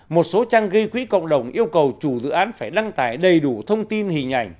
một số trang gây quỹ cộng đồng yêu cầu chủ dự án phải đăng tải đầy đủ thông tin hình ảnh